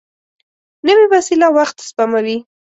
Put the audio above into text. نوې وسېله وخت سپموي